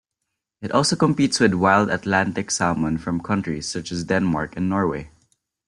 It also competes with wild Atlantic salmon from countries such as Denmark and Norway.